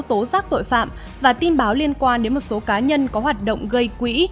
tố giác tội phạm và tin báo liên quan đến một số cá nhân có hoạt động gây quỹ